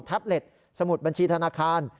เล็ตสมุดบัญชีธนาคาร